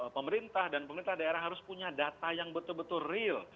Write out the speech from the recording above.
pemerintah dan pemerintah daerah harus punya data yang betul betul real